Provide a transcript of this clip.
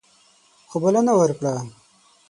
خو بلنه ورکړه.